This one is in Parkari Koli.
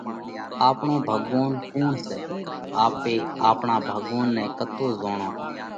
آپڻو ڀڳوونَ ڪُوڻ سئہ؟ آپي آپڻا ڀڳوونَ نئہ ڪتو زوڻونه؟